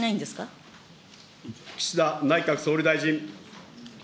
岸田内閣総理大臣。